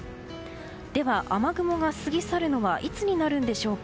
では雨雲が過ぎ去るのはいつになるんでしょうか。